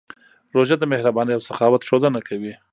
روژه د مهربانۍ او سخاوت ښودنه کوي.